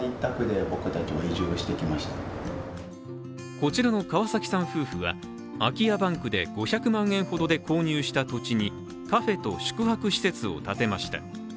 こちらの川崎さん夫婦は、空き家バンクで５００万円ほどで購入した土地にカフェと宿泊施設を建てました。